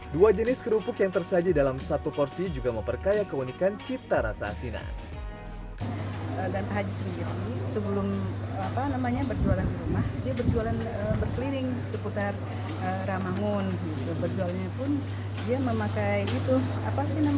dua jenis kerupuk yang tersaji dalam satu porsi juga memperkaya keunikan cita rasa asinan